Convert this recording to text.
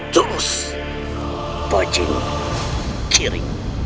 jurus bajeng kiri